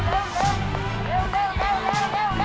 เร็วเร็วเร็วเร็วเร็ว